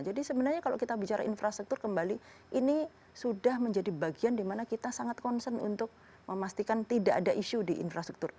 jadi sebenarnya kalau kita bicara infrastruktur kembali ini sudah menjadi bagian dimana kita sangat concern untuk memastikan tidak ada isu di infrastruktur